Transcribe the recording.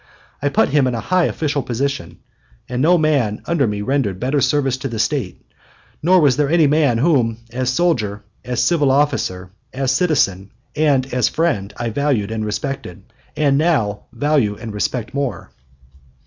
I put him in a high official position, and no man under me rendered better service to the State, nor was there any man whom, as soldier, as civil officer, as citizen, and as friend, I valued and respected and now value and respect more.